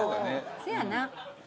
せやな。